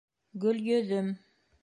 Гөлйөҙөм